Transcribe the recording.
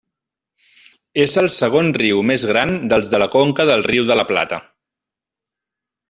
És el segon riu més gran dels de la conca del Riu de la Plata.